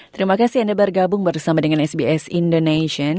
terima kasih anda bergabung bersama dengan sbs indonesian